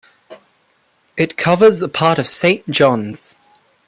It covers a part of Saint John's.